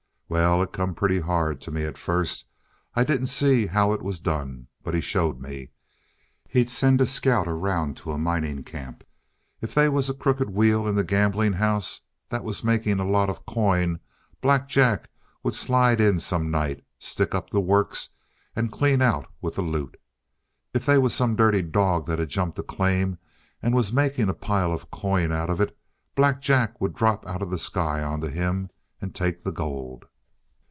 "Well, it come pretty hard to me at first. I didn't see how it was done. But he showed me. He'd send a scout around to a mining camp. If they was a crooked wheel in the gambling house that was making a lot of coin, Black Jack would slide in some night, stick up the works, and clean out with the loot. If they was some dirty dog that had jumped a claim and was making a pile of coin out of it, Black Jack would drop out of the sky onto him and take the gold."